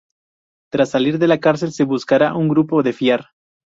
Tras salir de la cárcel se buscará un grupo de fiar.